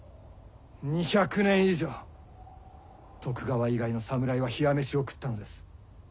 二百年以上徳川以外の侍は冷や飯を食ったのです。